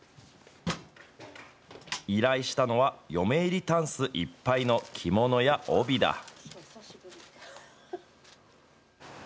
依頼したのは、嫁入りタンスいっぱいの着物や帯だ。